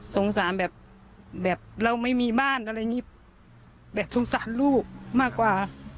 สงสารแบบเราไม่มีบ้านอะไรอย่างนี้แบบสงสารลูกมากกว่า